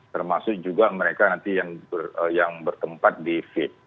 termasuk juga mereka nanti yang bertempat di fit